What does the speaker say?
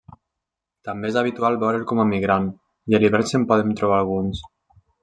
També és habitual veure'l com a migrant, i a l'hivern se'n poden trobar alguns.